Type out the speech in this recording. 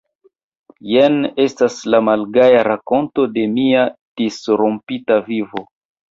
Jen estas la malgaja rakonto de mia disrompita vivo.